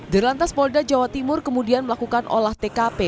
di lantas polda jawa timur kemudian melakukan olah tkp